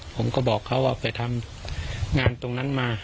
ผมก็บอกเขาว่าไปทำงานตรงนั้นมา